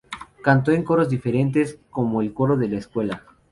Cantó en coros diferentes, como el coro de la escuela.